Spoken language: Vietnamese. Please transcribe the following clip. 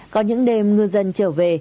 có những đêm ngư dân trở về